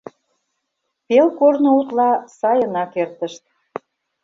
Пел корно утла сайынак эртышт.